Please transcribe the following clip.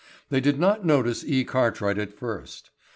They did not notice E. Cartwright at first.